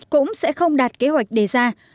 cũng sẽ không đạt kế hoạch đề ra